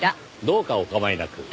どうかお構いなく。